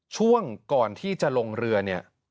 ช่วงก่อนที่จะลงเรือเนี่ย